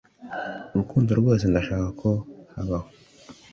urukundo rwose ndashaka ko habaho